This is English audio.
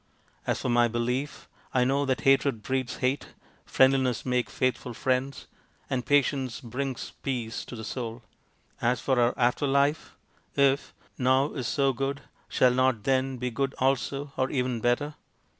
As for my belief, I know that hatred breeds hate, friendliness makes faithful friends, and patience brings peace to the soul. As for our after life, if ' Now ' is so good, shall not c Then ' be good also, or even better